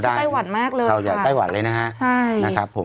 ไต้หวันมากเลยไต้หวันเลยนะฮะใช่นะครับผม